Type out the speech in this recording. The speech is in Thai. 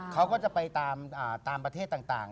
เขาก็จะไปตามประเทศต่าง